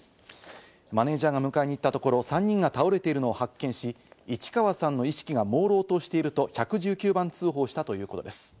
マネジャーが迎えに行ったところ、３人が倒れているのを発見し、市川さんの意識がもうろうとしていると１１９番通報したということです。